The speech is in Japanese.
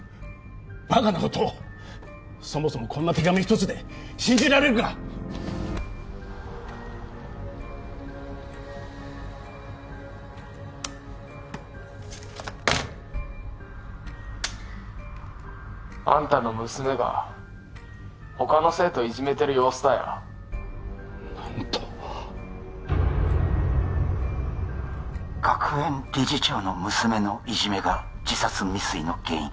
バカなことをそもそもこんな手紙一つで信じられるか！あんたの娘が他の生徒をいじめてる様子だよ何と学園理事長の娘のいじめが自殺未遂の原因